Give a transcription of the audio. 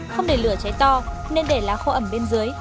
không để lửa cháy to nên để lá khô ẩm bên dưới